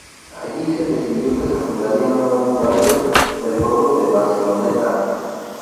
Allí se decidió que se fundaría un nuevo barrio del pueblo de Barceloneta.